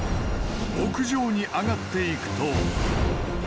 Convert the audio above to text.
屋上に上がっていくと。